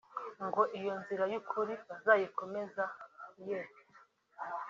ngo iyo nzira y’ukuri bazayikomeza ye